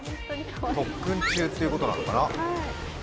特訓中ということなのかな？